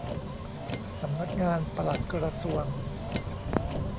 สำนักงานปลัดกระทรวง